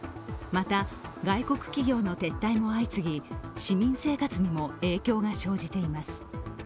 また、外国企業の撤退も相次ぎ市民生活にも影響が生じています。